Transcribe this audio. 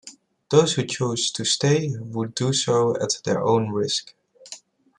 Those who chose to stay would do so at their own risk.